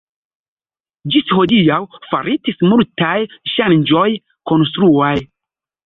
Ĝis hodiaŭ faritis multaj ŝanĝoj konstruaj.